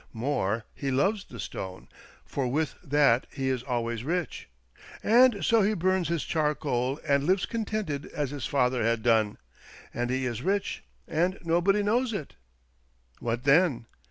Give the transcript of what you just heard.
More, he loves the stone, for with that he is always rich ; and so he bums his charcoal and lives contented as his father had done, and he is rich, and nobody knows it. What then